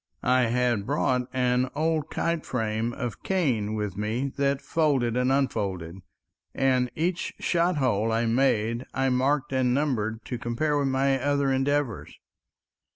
I had brought an old kite frame of cane with me, that folded and unfolded, and each shot hole I made I marked and numbered to compare with my other endeavors.